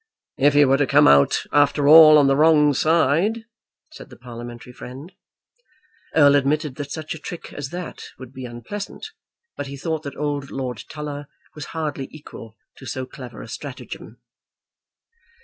"If he were to come out after all on the wrong side," said the parliamentary friend. Erle admitted that such a trick as that would be unpleasant, but he thought that old Lord Tulla was hardly equal to so clever a stratagem.